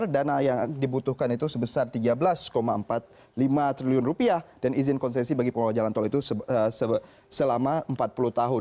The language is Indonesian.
dana yang dibutuhkan itu sebesar tiga belas empat puluh lima triliun rupiah dan izin konsesi bagi pengelola jalan tol itu selama empat puluh tahun